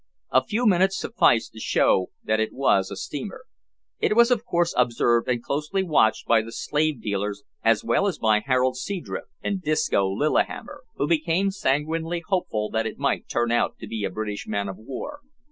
A few minutes sufficed to show that it was a steamer. It was of course observed and closely watched by the slave dealers as well as by Harold Seadrift and Disco Lillihammer, who became sanguinely hopeful that it might turn out to be a British man of war.